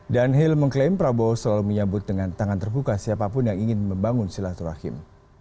dan hil mengklaim prabowo selalu menyambut dengan tangan terbuka siapapun yang ingin membangun silaturahim